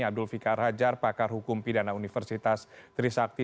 abdul fikar hajar pakar hukum pidana universitas trisakti